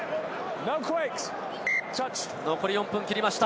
残り４分切りました。